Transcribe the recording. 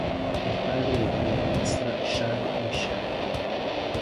È il padre del primo ministro Charles Michel.